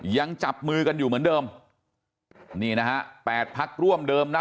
ยังจับมือกันอยู่เหมือนเดิมนี่นะฮะแปดพักร่วมเดิมนะ